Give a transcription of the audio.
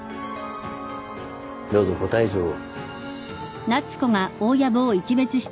どうぞご退場を。